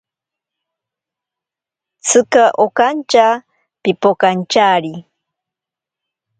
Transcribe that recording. Tsika okantya pipokantyari.